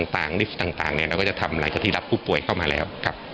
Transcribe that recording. ต่างนิษฐ์ต่างเนี่ยเราก็จะทำหลายสถีรับผู้ป่วยเข้ามาแล้ว